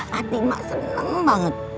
hati emak seneng banget